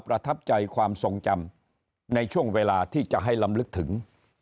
ประทับใจความทรงจำในช่วงเวลาที่จะให้ลำลึกถึง